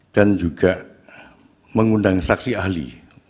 dan juga mengundang saksi ahli